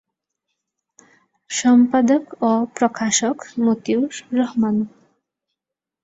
সম্পাদক ও প্রকাশক: মতিউর রহমান